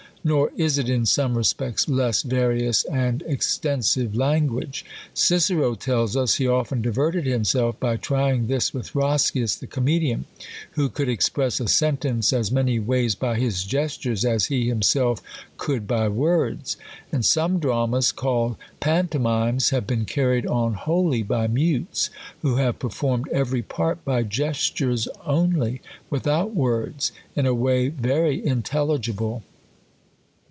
Nor is it in some respects less various and extensive language. Cicero tells us, he often diverted him|^if by trying this with Roscius the comedian ; who could express a sentence as many ways by his gestures, as he himself covild by words. And some dramas, called pan tomimes, have been carried on wholly by mutes, who have 20 THE COLUMBIAN ORATOR. have performed every part by gestures only, without words, in a way very intelligible.